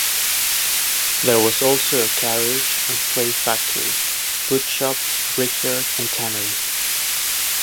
There was also a carriage and sleigh factory, boot shop, brickyard and tannery.